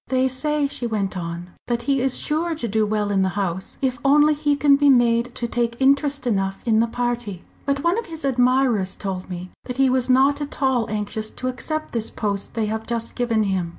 "They say," she went on, "that he is sure to do well in the House, if only he can be made to take interest enough in the party. But one of his admirers told me that he was not at all anxious to accept this post they have just given him.